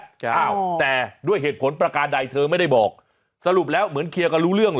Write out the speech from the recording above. อ้าวแต่ด้วยเหตุผลประการใดเธอไม่ได้บอกสรุปแล้วเหมือนเคลียร์กันรู้เรื่องเหรอ